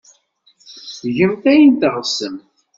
Gemt ayen teɣsemt.